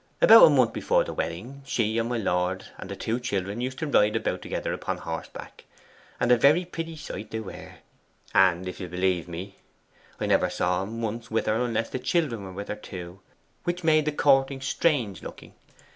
About a month before the wedding, she and my lord and the two children used to ride about together upon horseback, and a very pretty sight they were; and if you'll believe me, I never saw him once with her unless the children were with her too which made the courting so strange looking.